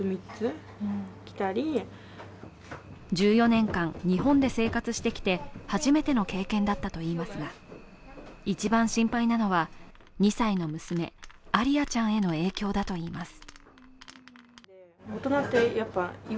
１４年間、日本で生活してきて初めての経験だったといいますが一番心配なのは、２歳の娘、アリアちゃんへの影響だといいます。